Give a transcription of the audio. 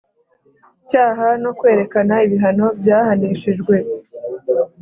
Cyaha no kwerekana ibihano byahanishijwe